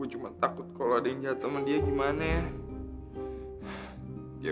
gue cuma takut kalo ada yang jahat sama dia gimana ya